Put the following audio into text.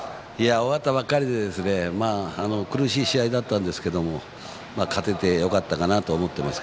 終わったばかりで苦しい試合だったんですが勝ててよかったかなと思っています。